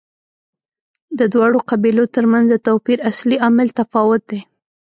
د دواړو قبیلو ترمنځ د توپیر اصلي عامل تفاوت دی.